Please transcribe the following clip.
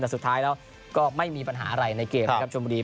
แต่สุดท้ายแล้วก็ไม่มีปัญหาอะไรในเกมนะครับชมบุรี